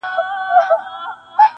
چي خبر سو جادوګرښارته راغلی-